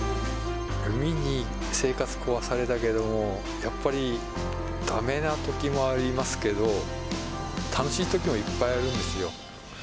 海に生活壊されたけれども、やっぱりだめなときもありますけど、楽しいときもいっぱいあるんですよ。